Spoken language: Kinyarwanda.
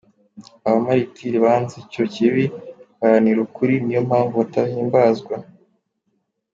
Abamaritiri banze icyo kibi, baharanira ukuri, niyo mpamvu tubahimbaza».